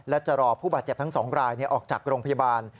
และจะรอผู้บาดเจ็บทั้ง๒รายออกจากโรงพยาบาล